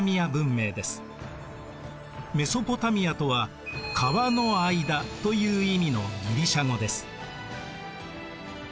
メソポタミアとは川の間という意味のギリシア語です。